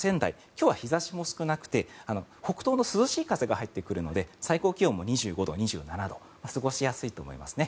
今日は日差しも少なくて北東の涼しい風が入ってくるので最高気温も２５度、２７度過ごしやすいと思いますね。